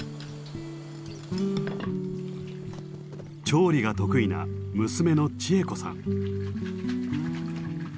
調理が得意な娘の千恵子さん。